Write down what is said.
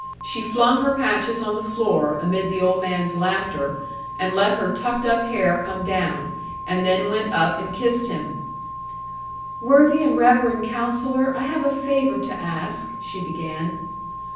She flung her patches on the floor, amid the old man's laughter, and let her tucked up hair come down; and then went up and kissed him. 'Worthy and reverend Counsellor, I have a favour to ask,' she began.